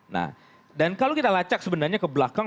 nah dan kalau kita lacak sebenarnya ke belakang